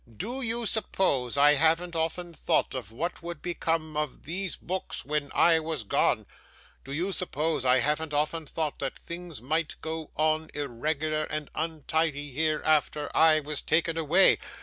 Do you suppose I haven't often thought of what would become of these books when I was gone? Do you suppose I haven't often thought that things might go on irregular and untidy here, after I was taken away?